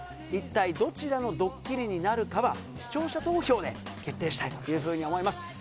一体どちらのドッキリになるかは、視聴者投票で決定したいと思います。